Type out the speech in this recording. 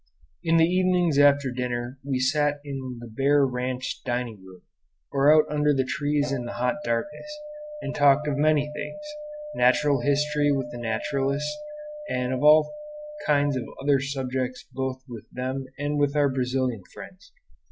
In the evenings after dinner we sat in the bare ranch dining room, or out under the trees in the hot darkness, and talked of many things: natural history with the naturalists, and all kinds of other subjects both with them and with our Brazilian friends.